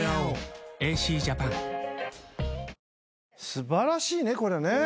素晴らしいねこれね。